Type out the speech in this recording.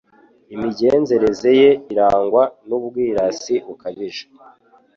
imigenzereze ye irangwa n’ubwirasi bukabije